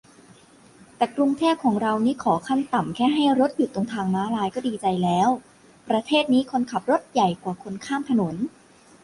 แต่กรุงเทพของเรานี่ขอขั้นต่ำแค่ให้รถหยุดตรงม้าลายก็ดีใจแล้ว - ประเทศนี้คนขับรถใหญ่กว่าคนข้ามถนน